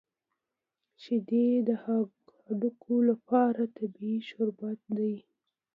شیدې د هډوکو لپاره طبیعي شربت دی